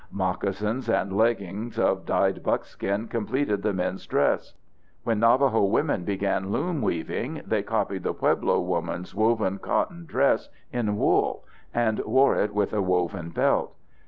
Moccasins and leggings of dyed buckskin completed the men's dress. When Navajo women began loom weaving, they copied the Pueblo woman's woven cotton dress in wool and wore it with a woven belt.